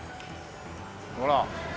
ほら。